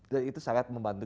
jadi itu sangat membantu